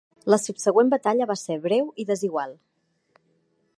La subsegüent batalla va ser breu i desigual.